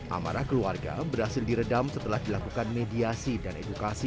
amarah keluarga berhasil diredam setelah dilakukan mediasi dan edukasi